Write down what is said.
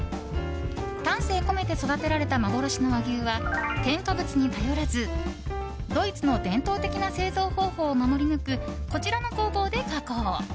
丹精込めて育てられた幻の和牛は添加物に頼らずドイツの伝統的な製造方法を守り抜くこちらの工房で加工。